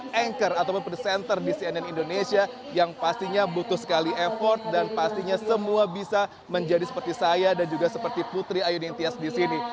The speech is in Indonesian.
anchor ataupun presenter di cnn indonesia yang pastinya butuh sekali effort dan pastinya semua bisa menjadi seperti saya dan juga seperti putri ayuning tias di sini